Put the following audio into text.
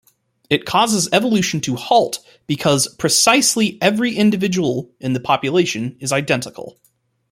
It causes evolution to halt because precisely every individual in the population is identical.